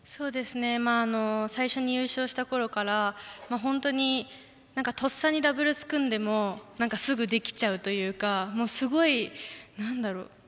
最初に優勝したころから本当にとっさにダブルス組んでもすぐできちゃうというかすごい、なんだろう。